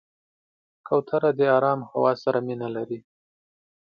کوتره د آرام هوا سره مینه لري.